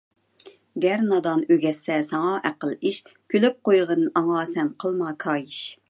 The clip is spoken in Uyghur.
گەر نادان ئۆگەتسە ساڭا ئەقىل – ئىش، كۈلۈپ قويغىن ئاڭا سەن قىلما كايىش.